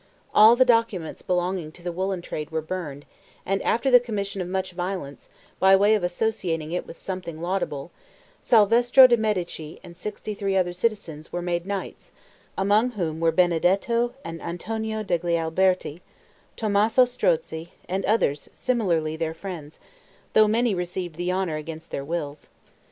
All the documents belonging to the woolen trade were burned, and after the commission of much violence, by way of associating it with something laudable, Salvestro de Medici and sixty three other citizens were made knights, among whom were Benedetto and Antonio degli Alberti, Tommaso Strozzi and others similarly their friends; though many received the honor against their wills.